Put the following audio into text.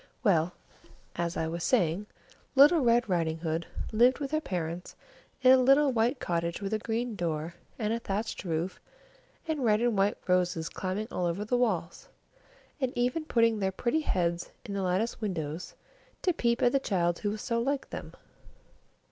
Well, as I was saying, Little Red Riding Hood lived with her parents in a little white cottage with a green door and a thatched roof, and red and white roses climbing all over the walls, and even putting their pretty heads in at the latticed windows, to peep at the child who was so like them.